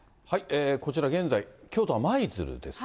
こちら、現在、京都は舞鶴ですが。